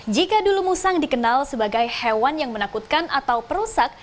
jika dulu musang dikenal sebagai hewan yang menakutkan atau perusak